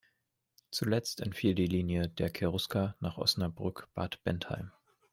Zuletzt entfiel die Linie „Der Cherusker“ nach Osnabrück–Bad Bentheim.